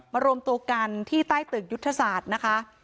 รวมตัวกันที่ใต้ตึกยุทธศาสตร์นะคะ